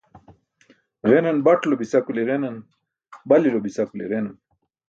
Ġenaṅ baṭulo bica kuli ġenaṅ, balilo bica kuli ġenaṅ.